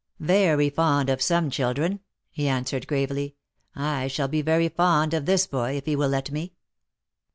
'' Very fond of some children/^ he answered gravely. ^' I shall be very fond of this boy, if he will let me.